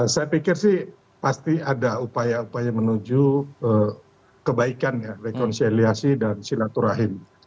saya pikir sih pasti ada upaya upaya menuju kebaikan ya rekonsiliasi dan silaturahim